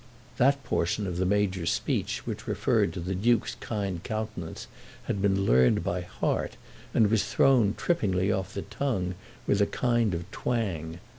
That portion of the Major's speech which referred to the Duke's kind countenance had been learned by heart, and was thrown trippingly off the tongue with a kind of twang.